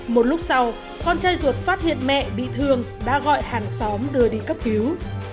một lúc sau con trai ruột phát hiện mẹ bị thương đã gọi hàng xóm đưa đi cấp cứu